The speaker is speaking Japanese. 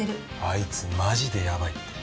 あいつマジでやばいって。